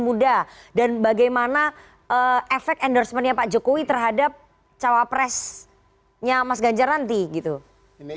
muda dan bagaimana efek endorsementnya pak jokowi terhadap cawapresnya mas ganjar nanti gitu